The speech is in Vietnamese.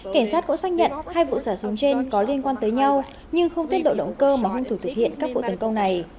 cảnh sát cũng xác nhận hai vụ xả súng trên có liên quan tới nhau nhưng không tiết độ động cơ mà hung thủ thực hiện các vụ tấn công này